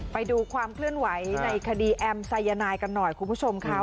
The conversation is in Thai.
ไปดูความเคลื่อนไหวในคดีแอมไซยานายกันหน่อยคุณผู้ชมค่ะ